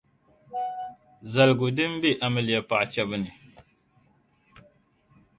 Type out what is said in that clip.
Zaligu din be amiliya paɣa chεbu ni.